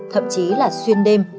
thậm chí là xuyên đêm